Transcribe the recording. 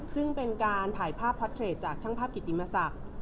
ซึ่งเป็นการถ่ายภาพพ็อตเทรดจากช่างภาพกิติมศักดิ์